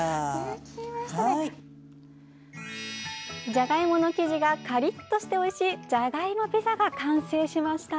じゃがいもの生地がカリッとしておいしいじゃがいもピザが完成しました。